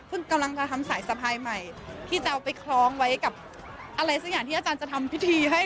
ซึ่งกำลังจะทำสายสะพายใหม่ที่จะเอาไปคล้องไว้กับอะไรสักอย่างที่อาจารย์จะทำพิธีให้